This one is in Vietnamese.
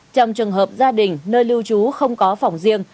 trong trường hợp gia đình nơi lưu trú không có phòng riêng